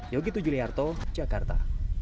yogi tujuliarto jakarta